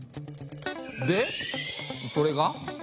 でそれが？